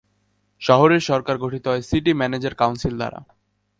শহরের সরকার গঠিত হয় সিটি ম্যানেজার-কাউন্সিল দ্বারা।